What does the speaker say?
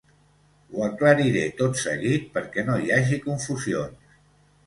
Ho aclariré tot seguit, perquè no hi hagi confusions.